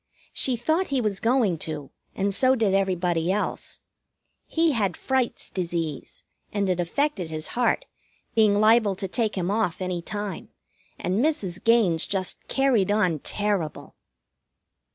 She thought he was going to, and so did everybody else. He had Fright's disease, and it affected his heart, being liable to take him off any time, and Mrs. Gaines just carried on terrible.